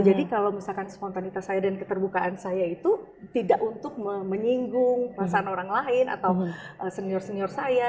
jadi kalau misalkan spontanitas saya dan keterbukaan saya itu tidak untuk menyinggung perasaan orang lain atau senior senior saya